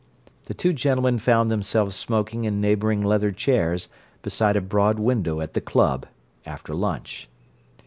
The two gentlemen found themselves smoking in neighbouring leather chairs beside a broad window at the club, after lunch.